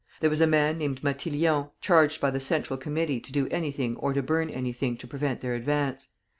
There was a man named Matillion, charged by the Central Committee to do anything or to burn anything to prevent their advance.